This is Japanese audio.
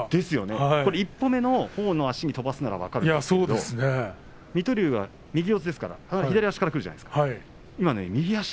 一歩目のほうの足に飛ばすなら分かるんですけれども水戸龍は右四つですから左足から来るんじゃないですか。